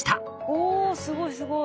おすごいすごい。